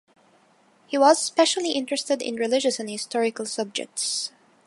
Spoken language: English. He was especially interested in religious and historical subjects.